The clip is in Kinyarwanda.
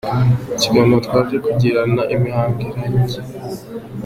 Mu kiganiro twaje kugirana imihango irangiye,